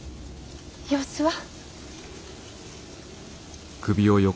様子は。